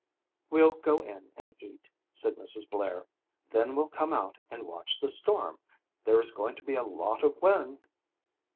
"We'll go in and eat," said Mrs. Blair. "Then we'll come out and watch the storm. There is going to be a lot of wind."